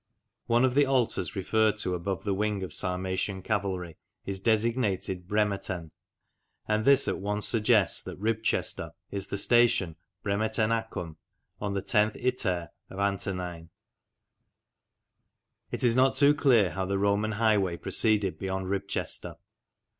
On one of the altars referred to above the wing of Sarmatian cavalry is designated Bremetenn ... and this at once suggests that Ribchester is the station Bremetennacum on the tenth Iter of Antonine. THE ROMANS IN LANCASHIRE 49 It is not too clear how the Roman highway proceeded beyond Ribchester.